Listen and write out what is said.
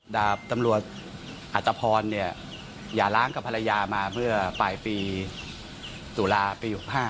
ดาบตำรวจอัตภพรเนี่ยอย่าล้างกับภรรยามาเมื่อปลายปีตุลาปี๖๕